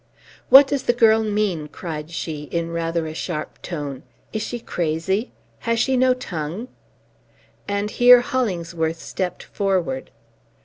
"What does the girl mean?" cried she in rather a sharp tone. "Is she crazy? Has she no tongue?" And here Hollingsworth stepped forward.